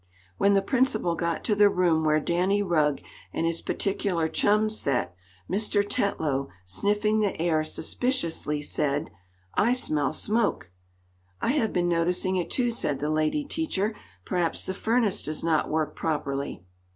When the principal got to the room where Danny Rugg and his particular chums sat, Mr Tetlow, sniffing the air suspiciously, said: "I smell smoke!" "I have been noticing it, too," said the lady teacher. "Perhaps the furnace does not work properly."